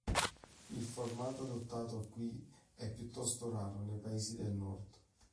Il formato adottato qui è piuttosto raro nei paesi del nord.